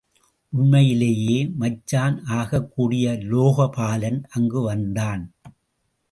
உண்மையிலேயே மச்சான் ஆகக் கூடிய உலோகபாலன் அங்கு வந்து சேர்ந்தான்.